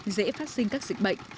dễ phát sinh các dịch bệnh